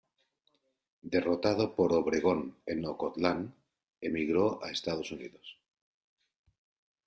Derrotado por Obregón en Ocotlán, emigró a Estados Unidos.